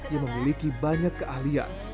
yang memiliki banyak keahlian